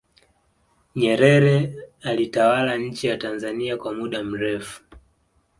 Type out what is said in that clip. nyerere alitawala nchi ya tanzania kwa muda mrefu